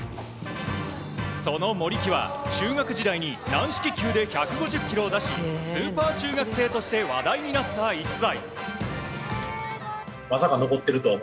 その森木は、中学時代に軟式球で１５０キロを出しスーパー中学生として話題になった逸材。